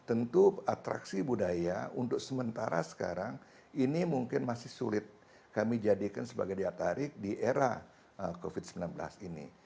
tentu atraksi budaya untuk sementara sekarang ini mungkin masih sulit kami jadikan sebagai daya tarik di era covid sembilan belas ini